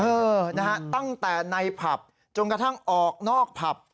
เออนะฮะตั้งแต่ในผับจนกระทั่งออกนอกผับ